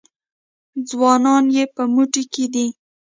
ځوانان یې په موټي کې دي.